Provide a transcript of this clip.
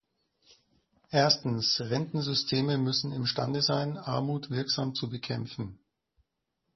Erstens, Rentensysteme müssen imstande sein, Armut wirksam zu bekämpfen.